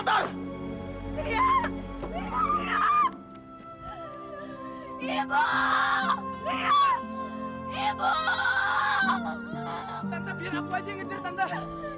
tanda biar aku saja yang ngejar tanda